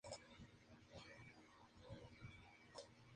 La película está basada en la historia de la soldado en Iraq.